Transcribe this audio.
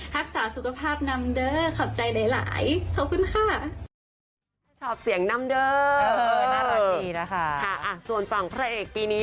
รักษาสุขภาพนำเดอร์ขอบใจหลายขอบคุณค่ะชอบเสียงนำเดอร์นะคะส่วนฝั่งพระเอกปี